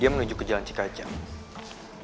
dia menuju ke jalan cikajang